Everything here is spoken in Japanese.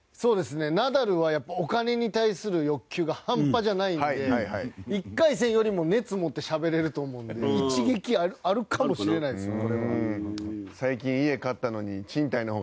ナダルはお金に対する欲求が半端じゃないので１回戦よりも熱持ってしゃべれると思うので一撃、あるかもしれないですね。